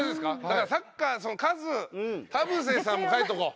だからサッカーカズ田臥さんも書いておこう。